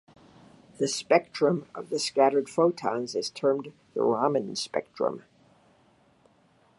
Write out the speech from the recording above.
The spectrum of the scattered photons is termed the Raman spectrum.